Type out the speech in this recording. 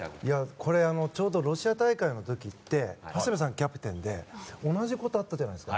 これちょうどロシア大会の時って長谷部さんキャプテンで同じことあったじゃないですか。